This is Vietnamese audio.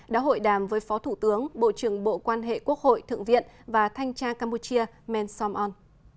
đã hội đàm với phó thủ tướng bộ trưởng bộ quan hệ quốc hội thượng viện và thanh tra campuchia men som on